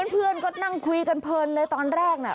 เพื่อนก็นั่งคุยกันเพลินเลยตอนแรกน่ะ